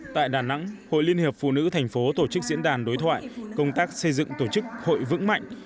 tại đà nẵng hội liên hiệp phụ nữ thành phố tổ chức diễn đàn đối thoại công tác xây dựng tổ chức hội vững mạnh